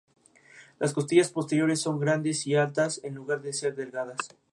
Las costillas posteriores son grandes y altas en lugar de ser delgadas.